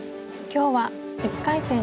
今日は１回戦